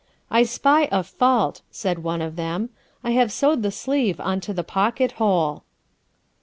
'I spy a fault,' said one of them; 'I have sewed the sleeve onto the pocket hole.'"